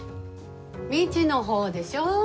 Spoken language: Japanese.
未知の方でしょ？